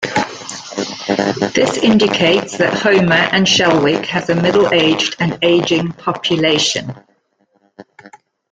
This indicates that Holmer and Shelwick has a middle-aged and ageing population.